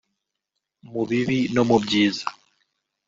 Mu bibi no mu byiza